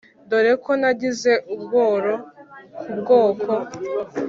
dore ko nagize ubworo ku bwoko